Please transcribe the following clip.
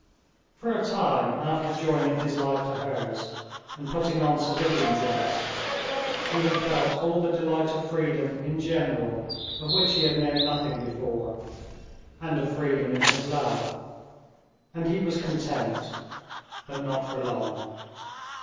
For a time after joining his life to hers, and putting on civilian dress, he had felt all the delight of freedom in general of which he had known nothing before, and of freedom in his love,—and he was content, but not for long.